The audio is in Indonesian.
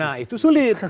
nah itu sulit